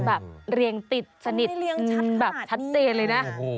เรียงติดสนิทแบบชัดเจนเลยนะ